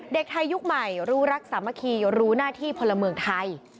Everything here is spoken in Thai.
เด็กไทยยุคใหม่รู้รักสามัคคีรู้หน้าที่พลเมืองไทย